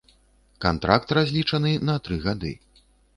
Кантракт разлічаны на тры гады.